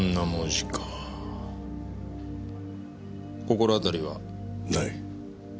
心当たりは？ない。